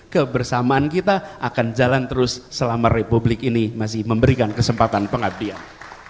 kebersamaan kita akan jalan terus selama republik ini masih memberikan kesempatan pengabdian